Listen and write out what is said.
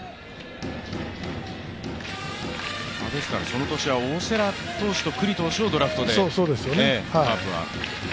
その年は大瀬良投手と九里投手をドラフトでカープは。